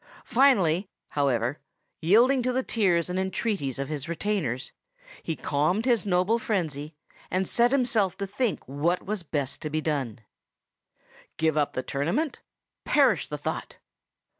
Finally, however, yielding to the tears and entreaties of his retainers, he calmed his noble frenzy, and set himself to think what was best to be done. "Give up the tournament? Perish the thought!